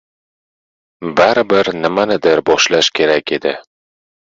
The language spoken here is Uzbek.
Baribir nimadandir boshlash kerak edi.